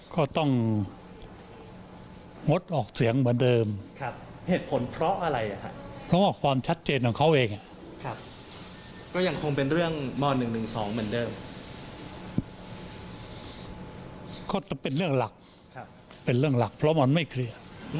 ก็จะเป็นเรื่องหลักเป็นเรื่องหลักเพราะมันไม่เคลียร์